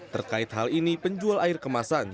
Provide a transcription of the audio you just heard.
terkait hal ini penjual air kemasan